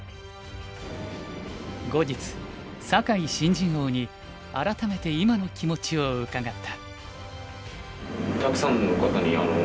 後日酒井新人王に改めて今の気持ちを伺った。